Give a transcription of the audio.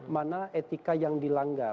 mana etika yang dilanggar